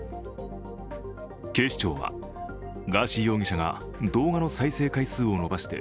警視庁はガーシー容疑者が動画の再生回数を伸ばして